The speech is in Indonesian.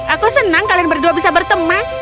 aku senang kalian berdua bisa berteman